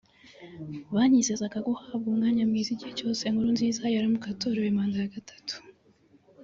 banyizezaga guhabwa umwanya mwiza igihe cyose Nkurunziza yaramuka atorewe manda ya gatatu